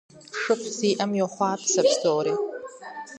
ШыфӀ зиӀэм йохъуапсэ псори.